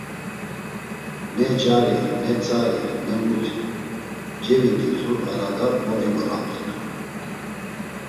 Nee cari, ne tzari, ne muti, cevit̆itu arada movigoramt̆itu.